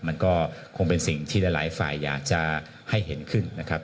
มันก็คงเป็นสิ่งที่หลายฝ่ายอยากจะให้เห็นขึ้นนะครับ